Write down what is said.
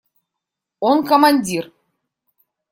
Он командир.